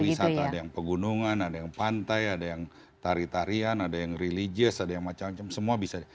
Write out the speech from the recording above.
wisata ada yang pegunungan ada yang pantai ada yang tari tarian ada yang religious ada yang macam macam semua bisa